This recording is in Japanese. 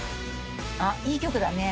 あっいい曲だね。